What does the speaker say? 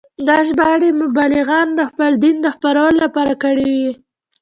دا ژباړې مبلغانو د خپل دین د خپرولو لپاره کړې وې.